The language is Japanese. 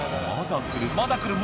まだ来る